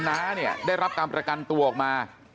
น้าเนี่ยได้รับการประกันตัวออกมา